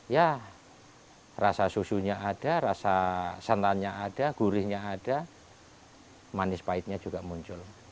ya rasa susunya ada rasa santannya ada gurihnya ada manis pahitnya juga muncul